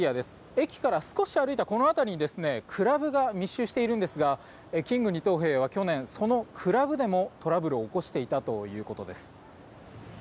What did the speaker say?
駅から少し歩いたこの辺りにクラブが密集しているんですがキング二等兵は去年そのクラブでもトラブルを起こしていたということです。